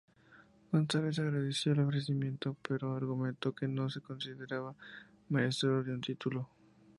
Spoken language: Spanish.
González agradeció el ofrecimiento, pero argumentó que no se consideraba merecedor de un título.